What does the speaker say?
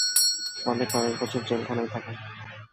ফলে কয়েক বছর জেলখানায় থাকেন।